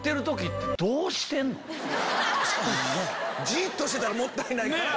じっとしてたらもったいないから。